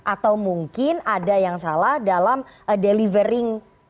atau mungkin ada yang salah dalam delivering